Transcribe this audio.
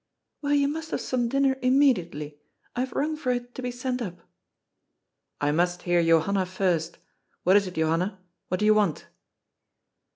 Well, you must have some dinner immediately. I have rung for it to be sent up." "I must hear Johanna first. — What is it, Johanna? What do you want?"